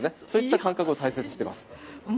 そういった感覚を大切にしています。